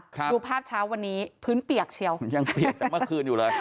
ดูภาพเช้าวันนี้พื้นเปียกเชียวยังเปียกจากเมื่อคืนอยู่เลย